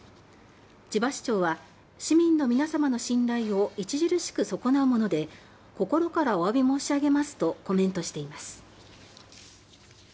千葉市長は市民の皆様の信頼を著しく損なうもので心からお詫び申し上げますとコメントしています。